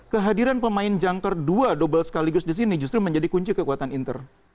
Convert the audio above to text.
kehadiran pemain jangkar dua double sekaligus di sini justru menjadi kunci kekuatan inter